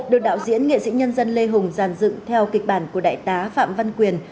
được đạo diễn nghệ sĩ nhân dân lê hùng giàn dựng theo kịch bản của đại tá phạm văn quyền